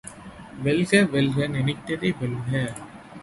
வெல்க வெல்க நினைத்தை வெல்க!